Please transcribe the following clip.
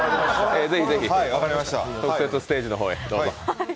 ぜひぜひ、特設ステージの方へどうぞ。